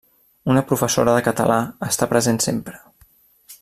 Una professora de català està present sempre.